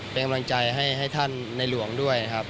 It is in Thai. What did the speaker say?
เป็นกำลังใจให้ท่านในหลวงด้วยครับ